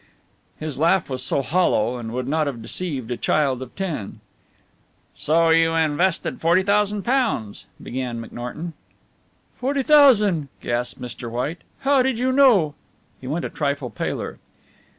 His laugh was hollow, and would not have deceived a child of ten. "So you invested £40,000 " began McNorton. "Forty thousand!" gasped Mr. White, "how did you know?" He went a trifle paler.